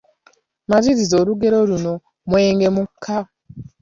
Maliriza olugero luno: Mwenge muka, ….